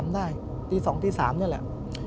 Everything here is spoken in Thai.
ผมก็ไม่เคยเห็นว่าคุณจะมาทำอะไรให้คุณหรือเปล่า